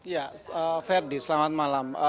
ya ferdi selamat malam